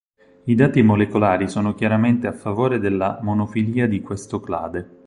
I dati molecolari sono chiaramente a favore della monofilia di questo clade.